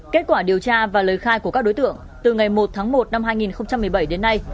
kết quả điều tra và lời khai của các đối tượng từ ngày một tháng một năm hai nghìn một mươi bảy đến nay